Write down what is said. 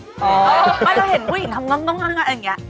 ไม่แล้วเห็นผู้หญิงทำต้องอย่างนี้